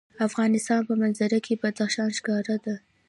د افغانستان په منظره کې بدخشان ښکاره ده.